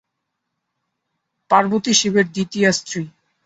পার্বতী শিবের দ্বিতীয়া স্ত্রী।